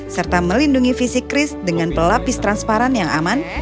serta melindungi fisik kris dengan pelapis transparan yang aman